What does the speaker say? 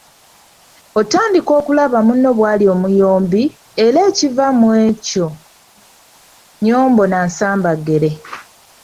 Otandika okulaba munno bwali omuyombi, era ekiva mu ekyo nnyombo na nsambaggere.